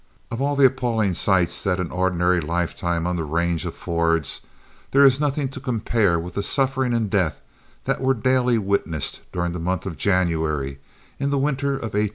Of all the appalling sights that an ordinary lifetime on the range affords, there is nothing to compare with the suffering and death that were daily witnessed during the month of January in the winter of 1885 86.